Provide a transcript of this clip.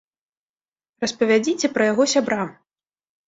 Распавядзіце пра яго сябрам!